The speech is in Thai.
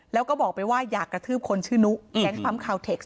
แล้วก็บอกไปว่าอยากกระทืบคนชื่อนุแก๊งค์พัมพ์คาวเท็กส์